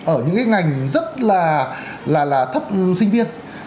ở những cái ngành rất là thấp sinh viên